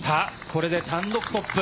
これで単独トップ。